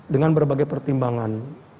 dengan berbagai pertimbangan